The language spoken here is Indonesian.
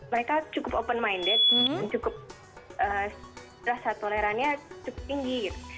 mereka cukup open minded cukup rasa tolerannya cukup tinggi gitu